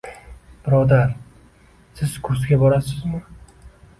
Birodar, siz kursga borasizmi?